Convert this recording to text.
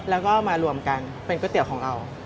แล้วก็มารวมกันเป็นก๋วยเตี๋ยวของเรา